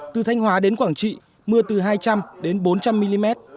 từ thanh hóa đến quảng trị mưa từ hai trăm linh đến bốn trăm linh mm